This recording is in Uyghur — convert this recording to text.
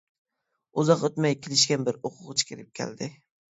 ئۇزاق ئۆتمەي، كېلىشكەن بىر ئوقۇغۇچى كىرىپ كەلدى.